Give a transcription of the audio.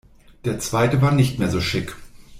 Der zweite war nicht mehr so chic.